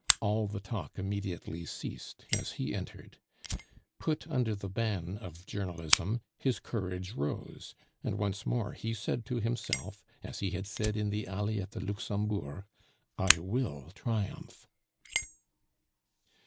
All the talk immediately ceased as he entered. Put under the ban of journalism, his courage rose, and once more he said to himself, as he had said in the alley at the Luxembourg, "I will triumph."